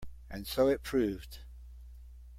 And so it proved.